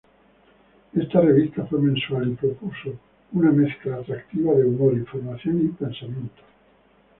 Esta revista fue mensual y propuso una mezcla atractiva de humor, información y pensamiento.